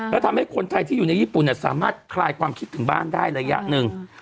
แล้วทำให้คนไทยที่อยู่ในญี่ปุ่นสามารถคลายความคิดถึงบ้านได้ระยะหนึ่ง